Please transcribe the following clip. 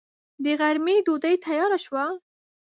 د غرمې ډوډۍ تياره شوه.